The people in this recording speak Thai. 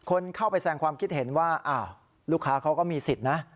คนเข้าไปแสงความคิดเห็นว่าอ้าวลูกค้าเขาก็มีสิทธิ์นะ